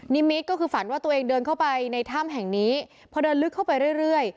นิมิตก็คือฝันว่าตัวเองเดินเข้าไปในถ้ำแห่งนี้พอเดินลึกเข้าไปเรื่อย